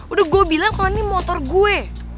udah gue bilang kalau ini motor gue